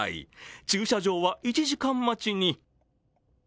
駐車場は１時間待ちに。